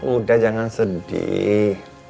udah jangan sedih